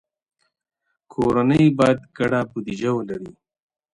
کورنۍ باید ګډه بودیجه ولري.